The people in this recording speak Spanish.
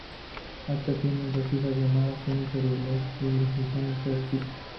Acta tiene dos hijas llamadas Jennifer y Leslie y su mujer, Cindy.